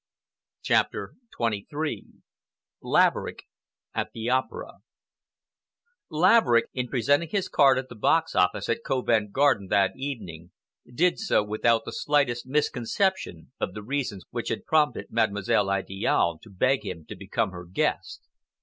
CHAPTER XXIII LAVERICK AT THE OPERA Laverick, in presenting his card at the box office at Covent Garden that evening, did so without the slightest misconception of the reasons which had prompted Mademoiselle Idiale to beg him to become her guest.